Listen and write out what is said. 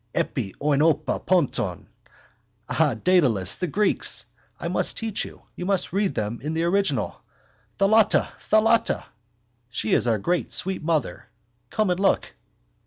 Epi oinopa ponton. Ah, Dedalus, the Greeks! I must teach you. You must read them in the original. Thalatta! Thalatta! She is our great sweet mother. Come and look.